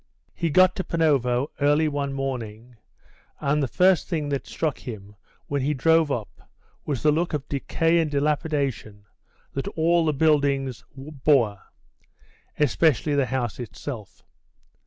He got to Panovo early one morning, and the first thing that struck him when he drove up was the look of decay and dilapidation that all the buildings bore, especially the house itself.